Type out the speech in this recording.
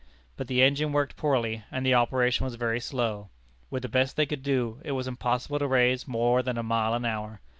But the engine worked poorly, and the operation was very slow. With the best they could do, it was impossible to raise more than a mile an hour!